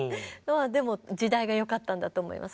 でも時代がよかったんだと思います。